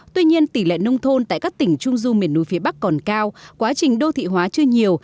tuy nhiên tỷ lệ nông thôn tại các tỉnh trung du miền núi phía bắc còn cao quá trình đô thị hóa chưa nhiều